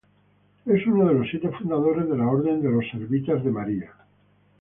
Es uno de los siete fundadores de la Orden de los Servitas de María.